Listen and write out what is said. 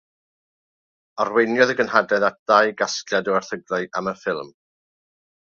Arweiniodd y gynhadledd at ddau gasgliad o erthyglau am y ffilm.